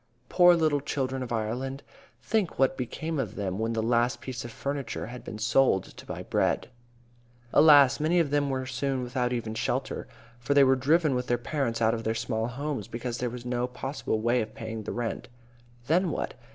Poor little children of Ireland! Think what became of them when the last piece of furniture had been sold to buy bread! Alas! many of them were soon without even shelter. For they were driven with their parents out of their small homes, because there was no possible way of paying the rent. Then what?